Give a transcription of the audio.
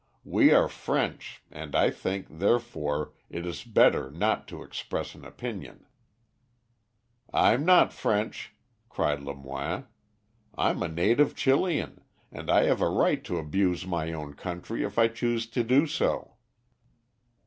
We are French, and I think, therefore, it is better not to express an opinion." "I'm not French," cried Lemoine. "I'm a native Chilian, and I have a right to abuse my own country if I choose to do so."